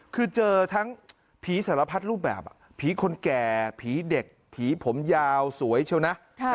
คือเจอทั้งผีสารพัดรูปแบบผีคนแก่ผีเด็กผีผมยาวสวยเชียวนะ